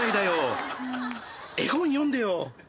絵本読んでよ。